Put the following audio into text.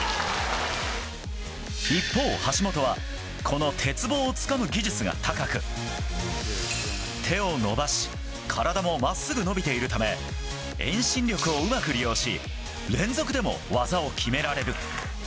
一方、橋本はこの鉄棒をつかむ技術が高く手を伸ばし体も真っすぐ伸びているため遠心力をうまく利用し連続でも技を決められる。